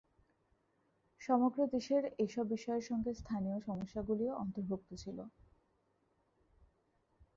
সমগ্র দেশের এসব বিষয়ের সঙ্গে স্থানীয় সমস্যাগুলিও অন্তর্ভুক্ত ছিল।